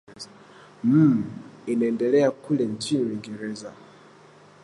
mmm inaendelea kule nchini uingereza